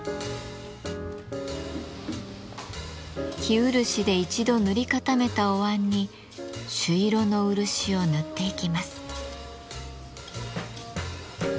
生漆で一度塗り固めたおわんに朱色の漆を塗っていきます。